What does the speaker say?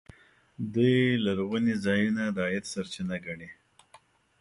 دوی لرغوني ځایونه د عاید سرچینه ګڼي.